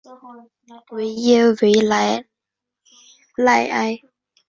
维耶维莱赖埃。